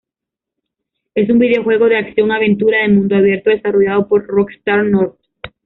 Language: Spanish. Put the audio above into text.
Es un videojuego de acción-aventura de mundo abierto desarrollado por Rockstar North.